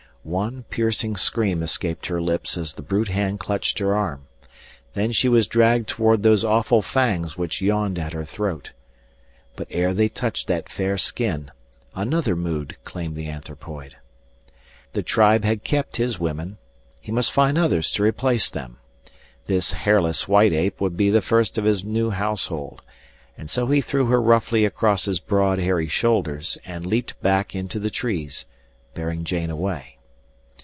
One piercing scream escaped her lips as the brute hand clutched her arm. Then she was dragged toward those awful fangs which yawned at her throat. But ere they touched that fair skin another mood claimed the anthropoid. The tribe had kept his women. He must find others to replace them. This hairless white ape would be the first of his new household, and so he threw her roughly across his broad, hairy shoulders and leaped back into the trees, bearing Jane away.